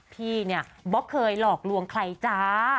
พี่เนี่ยบอกเคยหลอกลวงใครจ้า